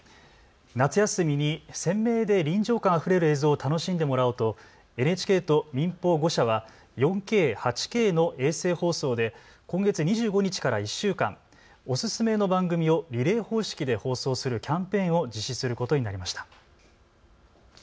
夏休みに鮮明で臨場感あふれる映像を楽しんでもらおうとＮＨＫと民放５社は４Ｋ・８Ｋの衛星放送で今月２５日から１週間、おすすめの番組をリレー方式で放送するキャンペーンを実施することになりました。